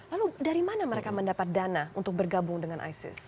lalu dari mana mereka mendapat dana untuk bergabung dengan isis